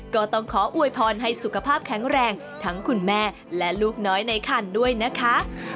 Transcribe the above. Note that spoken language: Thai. ก็ต้องขออวยพรให้สุขภาพแข็งแรงทั้งคุณแม่และลูกน้อยในคันด้วยนะคะ